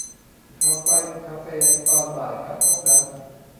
เขาไปคาเฟตอนบ่ายกับพวกนั้น